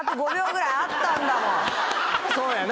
そうやな。